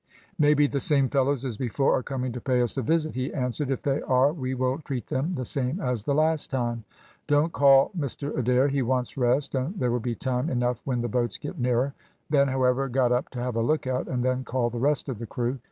"Maybe the same fellows as before are coming to pay us a visit," he answered. "If they are we will treat them the same as the last time." "Don't call Mr Adair, he wants rest, and there will be time enough when the boats get nearer." Ben, however, got up to have a lookout, and then called the rest of the crew.